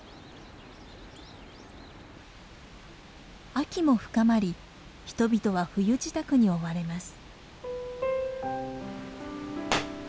秋も深まり人々は冬支度に追われます。